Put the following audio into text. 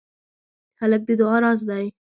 هلک د دعا راز دی.